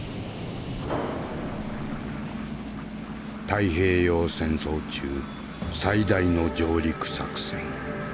太平洋戦争中最大の上陸作戦。